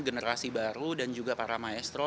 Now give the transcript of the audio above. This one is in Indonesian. generasi baru dan juga para maestro